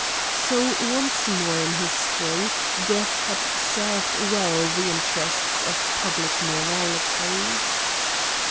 So once more in history Death had served well the interests of public morality.